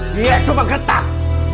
dia cuma getah